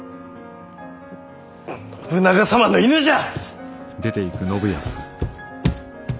信長様の犬じゃ！